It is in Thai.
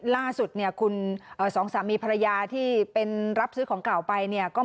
รถมันไม่น่าถือแล้วแม้ว่าไปกล้อมได้